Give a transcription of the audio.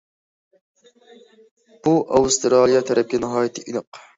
بۇ ئاۋسترالىيە تەرەپكە ناھايىتى ئېنىق.